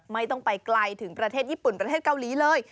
ไม่ต้องไปไกลถึงประเทศญี่ปุ่นประเทศเกาหลีเลย